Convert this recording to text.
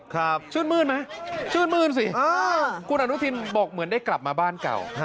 ชื่นมื้นไหมชื่นมื้นสิคุณอนุทินบอกเหมือนได้กลับมาบ้านเก่า